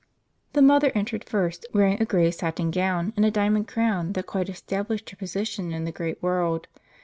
The mother entered first, wearing a grey satin gown and a diamond crown that quite established her position in the great world.